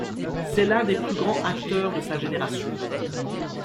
C'est l'un des plus grands acteurs de sa génération.